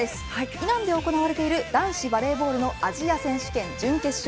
イランで行われている男子バレーボールのアジア選手権準決勝。